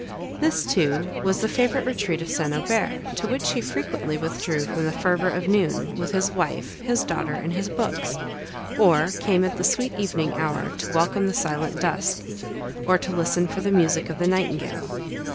This, too, was the favourite retreat of St. Aubert, to which he frequently withdrew from the fervour of noon, with his wife, his daughter, and his books; or came at the sweet evening hour to welcome the silent dusk, or to listen for the music of the nightingale.